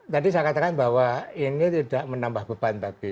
tadi saya katakan bahwa ini tidak menambah beban tapi